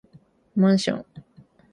マンション